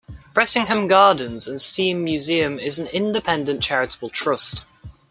Bressingham Gardens and Steam Museum is an independent charitable trust.